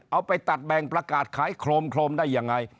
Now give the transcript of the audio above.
เอาไปตัดแบ่งประกาศขายโครมได้ยังไง